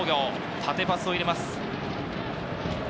縦パスを入れます。